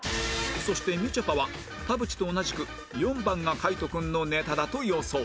そしてみちょぱは田渕と同じく４番が海人君のネタだと予想